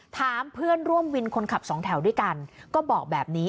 ถามเพื่อนร่วมวินคนขับสองแถวด้วยกันก็บอกแบบนี้